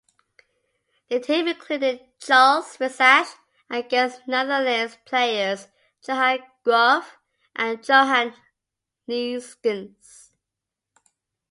The team included Carles Rexach and guest Netherlands players Johan Cruyff and Johan Neeskens.